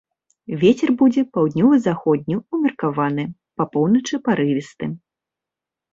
Вецер будзе паўднёва-заходні ўмеркаваны, па поўначы парывісты.